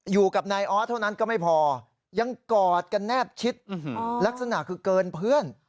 อยู่กับนายออสเท่านั้นก็ไม่พอยังกอดกันแนบชิดลักษณะคือเกินเพื่อน